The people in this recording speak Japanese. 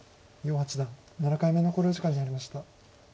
余八段７回目の考慮時間に入りました。